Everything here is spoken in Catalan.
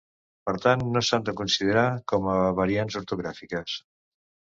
Per tant, no s’han de considerar com a variants ortogràfiques.